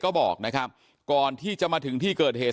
ก็บอกนะครับก่อนที่จะมาถึงที่เกิดเหตุ